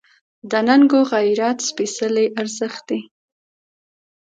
دا ننګ و غیرت سپېڅلی ارزښت دی.